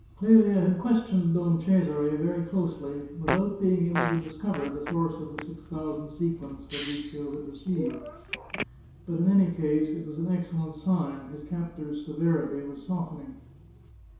Clelia had questioned Don Cesare very closely, without being able to discover the source of the six thousand se quins Fabrizio had received. But in any case it was an excellent sign; his captors' severity was softening.